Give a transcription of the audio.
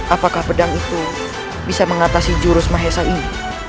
apakah pedang itu bisa mengatasi jurus mahesa ini